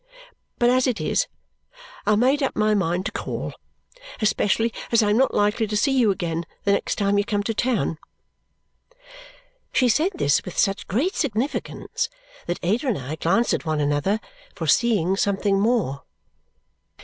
But as it is, I made up my mind to call, especially as I am not likely to see you again the next time you come to town." She said this with such great significance that Ada and I glanced at one another, foreseeing something more.